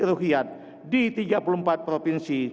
ruhyat di tiga puluh empat provinsi